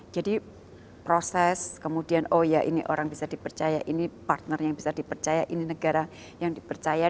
jadi proses kemudian oh ya ini orang bisa dipercaya ini partner yang bisa dipercaya ini negara yang dipercaya